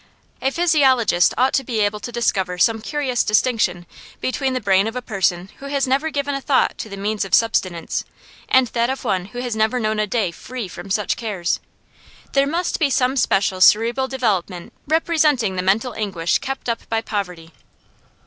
A physiologist ought to be able to discover some curious distinction between the brain of a person who has never given a thought to the means of subsistence, and that of one who has never known a day free from such cares. There must be some special cerebral development representing the mental anguish kept up by poverty.